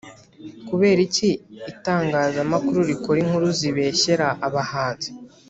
Kubera iki itangaza amakuru rikora inkuru zibeshyera abahanzi